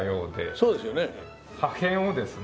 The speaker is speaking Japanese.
そうですよね。